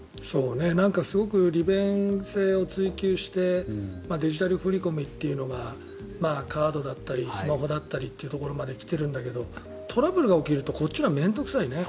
すごく利便性を追求してデジタル振り込みというのがカードだったりスマホだったりというところまで来ているんだけどトラブルが起きるとこっちのほうが面倒くさいね。